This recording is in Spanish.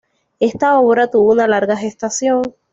Esta obra tuvo una larga gestación.